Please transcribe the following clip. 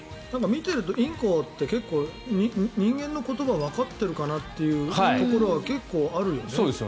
見ているとインコって結構、人間の言葉わかってるなというところ結構あるよね。